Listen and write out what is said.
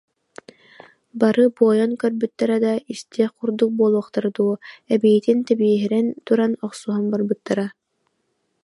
Бары буойан көрбүттэрэ да, истиэх курдук буолуохтара дуо, эбиитин тэбиэһирэн туран охсуһан барбыттара